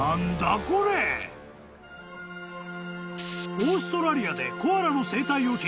［オーストラリアで］